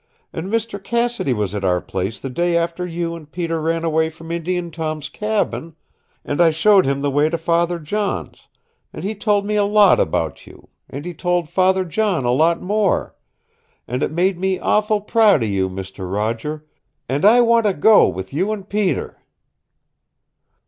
And Mister Cassidy was at our place the day after you and Peter ran away from Indian Tom's cabin, and I showed him the way to Father John's, and he told me a lot about you, and he told Father John a lot more, and it made me awful proud of you, Mister Roger and I want to go with you and Peter!"